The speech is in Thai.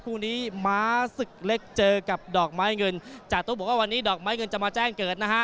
คู่นี้ม้าศึกเล็กเจอกับดอกไม้เงินจาตุบอกว่าวันนี้ดอกไม้เงินจะมาแจ้งเกิดนะฮะ